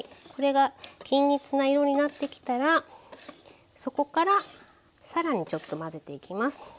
これが均一な色になってきたらそこからさらにちょっと混ぜていきます。